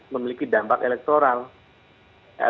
memiliki dampak elektroniknya